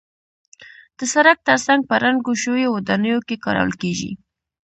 د سړک تر څنګ په ړنګو شویو ودانیو کې کارول کېږي.